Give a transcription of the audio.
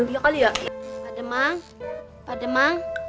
pak demang pak demang